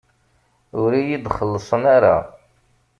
Ur iyi-d-xellṣen ara.